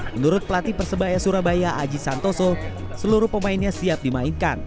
menurut pelatih persebaya surabaya aji santoso seluruh pemainnya siap dimainkan